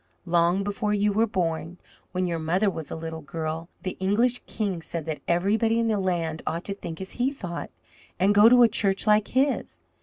"Long before you were born, when your mother was a little girl, the English king said that everybody in the land ought to think as he thought, and go to a church like his.